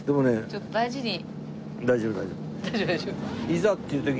ちょっと大事に。